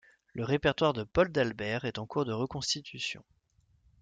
Le répertoire de Paul Dalbret est en cours de reconstitution.